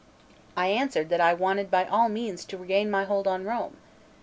I answered that I wanted by all means to regain my hold on Rome.